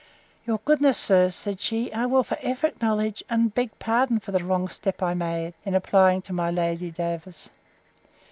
Your goodness, sir, said she, I will for ever acknowledge; and I beg pardon for the wrong step I made in applying to my Lady Davers.